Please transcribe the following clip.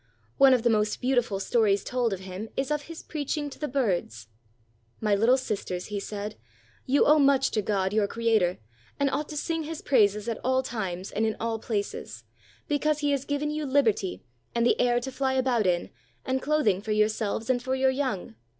One of the most beautiful stories told of him is of his preaching to the birds. "My Httle sisters," he said, "you owe much to God, your Creator, and ought to sing his praises at all times and in all places, because he has given you Hberty and the air to fly about in, and cloth ing for yourselves and for your young.